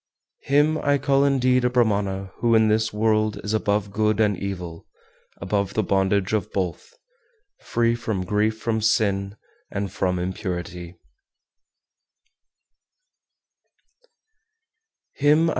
412. Him I call indeed a Brahmana who in this world is above good and evil, above the bondage of both, free from grief from sin, and from impurity.